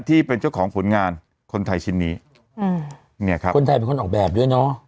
ที่เป็นเจ้าของผลงานคนไทยชิ้นนี้อืมเนี่ยครับคนไทยเป็นคนออกแบบด้วยเนอะ